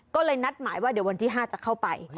ก็เลยนัดหมายว่าเดี๋ยววันที่๕จะเข้าไป